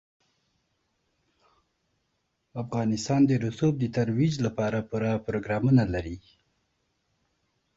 افغانستان د رسوب د ترویج لپاره پوره پروګرامونه لري.